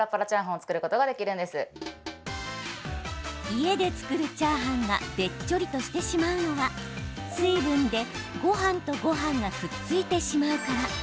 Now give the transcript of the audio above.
家で作るチャーハンがべっちょりとしてしまうのは水分で、ごはんとごはんがくっついてしまうから。